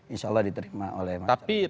insya allah diterima oleh masyarakat